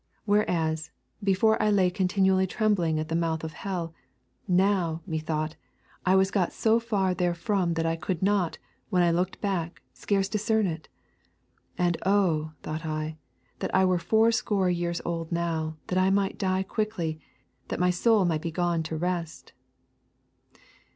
For whereas, before, I lay continually trembling at the mouth of hell, now, methought, I was got so far therefrom that I could not, when I looked back, scarce discern it. And oh! thought I, that I were fourscore years old now, that I might die quickly, that my soul might be gone to rest.'